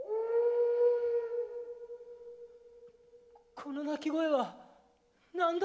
この鳴き声は何だ？